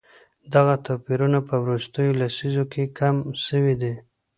دغه توپيرونه په وروستيو لسيزو کي کم سوي دي.